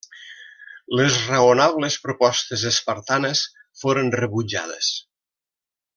Les raonables propostes espartanes foren rebutjades.